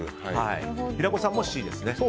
平子さんもＣですね。